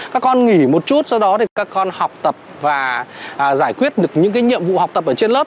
các con nghỉ một chút sau đó thì các con học tập và giải quyết được những nhiệm vụ học tập ở trên lớp